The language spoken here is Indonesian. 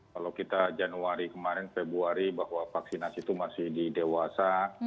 kalau kita januari kemarin februari bahwa vaksinasi itu masih di dewasa